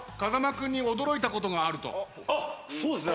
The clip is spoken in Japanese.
あっそうですね。